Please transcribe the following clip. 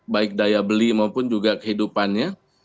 baik daya beli maupun juga kehidupannya